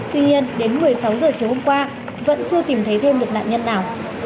tuy nhiên đến một mươi sáu giờ chiều hôm qua vẫn chưa tìm thấy thêm được nạn nhân nào